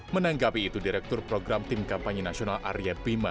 menanggapi itu direktur program tim kampanye nasional arya bima